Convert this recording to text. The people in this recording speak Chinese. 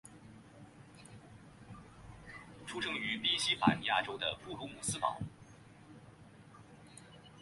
出生于宾夕法尼亚州的布卢姆斯堡。